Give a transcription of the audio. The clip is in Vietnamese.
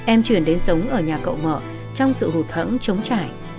em chuyển đến sống ở nhà cậu mậ trong sự hụt hẫng chống trải